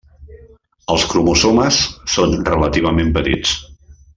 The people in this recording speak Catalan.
Els cromosomes són relativament petits.